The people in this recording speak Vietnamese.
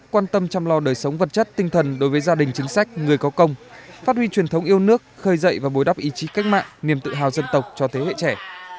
quan tâm chăm lo đời sống vật chất tinh thần đối với gia đình chính sách người có công phát huy truyền thống yêu nước khơi dậy và bối đắp ý chí cách mạng niềm tự hào dân tộc cho thế hệ trẻ